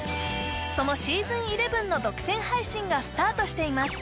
そのｓｅａｓｏｎ１１の独占配信がスタートしています